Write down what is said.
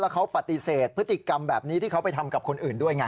เขาปฏิเสธพฤติกรรมแบบนี้ที่เขาไปทำกับคนอื่นด้วยไง